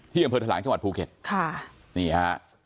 ที่กำพื้นทะลางจังหวัดภูเขตค่ะนี่ฮะ